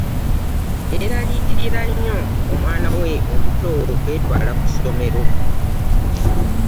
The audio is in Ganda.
Yeeraliikirira nnyo omwana we omuto okwetwala ku ssomero.